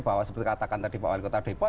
bahwa seperti katakan tadi pak wali kota depok